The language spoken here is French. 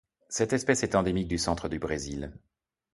Cette espèce est endémique du centre du Brésil.